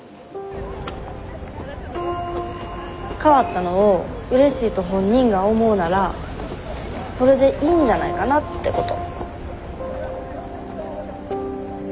変わったのをうれしいと本人が思うならそれでいいんじゃないかなってこと。